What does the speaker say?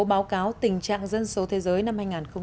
báo cáo tình trạng dân số thế giới năm hai nghìn một mươi sáu